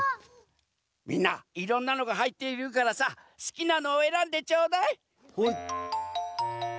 みんないろんなのがはいっているからさすきなのをえらんでちょうだい。